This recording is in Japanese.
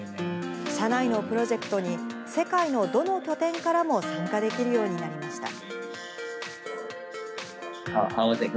社内のプロジェクトに、世界のどの拠点からも参加できるようになりました。